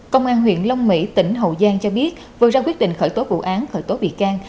công an huyện long mỹ tỉnh hậu giang cho biết vừa ra quyết định khởi tố vụ án khởi tố bị can